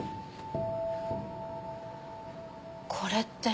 これって。